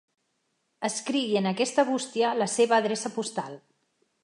Escrigui en aquesta bústia la seva adreça postal.